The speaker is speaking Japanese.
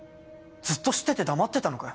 ずっと知ってて黙ってたのかよ。